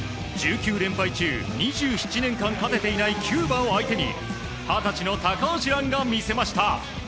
１９連敗中２７年間勝てていないキューバを相手に二十歳の高橋藍が見せました。